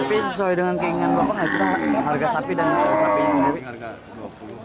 tapi sesuai dengan keinginan bapak nggak sih harga sapi dan sapinya sendiri